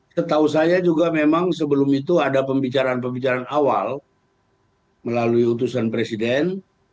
setahu saya juga memang sebelum itu ada pembicaraan pembicaraan awal melalui utusan presiden